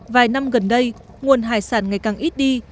vài năm gần đây nguồn hải sản ngày càng ít đi